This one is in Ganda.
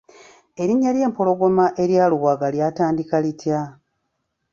Erinnya ly’Empologoma erya Luwaga lyatandika litya?